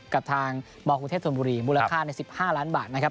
กับทางบกรุงเทพธนบุรีมูลค่าใน๑๕ล้านบาทนะครับ